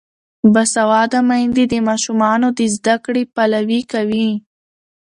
باسواده میندې د ماشومانو د زده کړې پلوي کوي.